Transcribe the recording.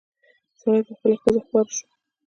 سړي په خپلې ښځې خواړه شو.